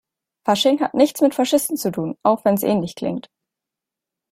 Fasching hat nichts mit Faschisten zu tun, auch wenn es ähnlich klingt.